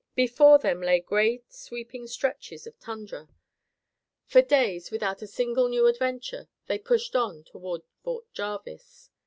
Before them lay great sweeping stretches of tundra. For days, without a single new adventure, they pushed on toward Fort Jarvis.